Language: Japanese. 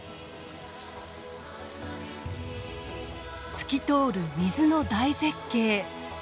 透き通る水の大絶景。